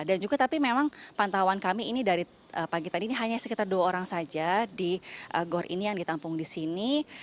dan juga tapi memang pantauan kami ini dari pagi tadi ini hanya sekitar dua orang saja di gor ini yang ditampung di sini